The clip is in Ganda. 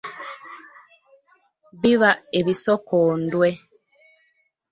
Biba ebisokondwe.